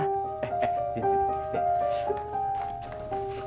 eh eh sini sini